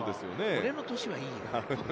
俺の年はいいよ。